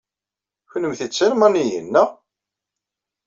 Kennemti d Talmaniyin, naɣ?